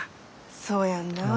そうやんなあ。